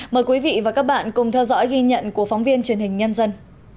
mời quý vị và các bạn cùng theo dõi ghi nhận của phóng viên truyền hình nhân dân